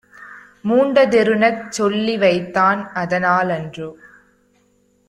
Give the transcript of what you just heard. மூண்டதெருனச் சொல்லிவைத்தான்! அதனா லன்றோ